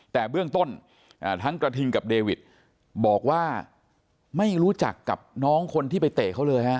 แต่เบื้องต้นทั้งกระทิงกับเดวิทบอกว่าไม่รู้จักกับน้องคนที่ไปเตะเขาเลยฮะ